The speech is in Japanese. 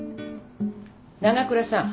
長倉さん。